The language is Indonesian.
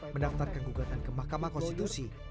mendaftarkan gugatan ke mahkamah konstitusi